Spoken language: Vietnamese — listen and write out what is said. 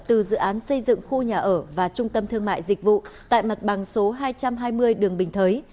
từ dự án xây dựng khu nhà ở và trung tâm thương mại dịch vụ tại mặt bằng số hai trăm hai mươi đường bình thới